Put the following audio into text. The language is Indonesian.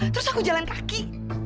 terus aku jalan kaki